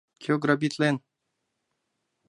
Кӧ грабитлен?..